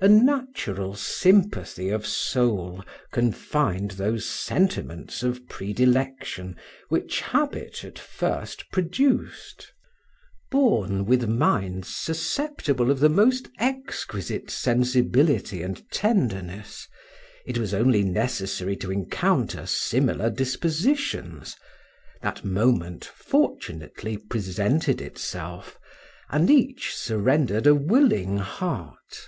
A natural sympathy of soul confined those sentiments of predilection which habit at first produced; born with minds susceptible of the most exquisite sensibility and tenderness, it was only necessary to encounter similar dispositions; that moment fortunately presented itself, and each surrendered a willing heart.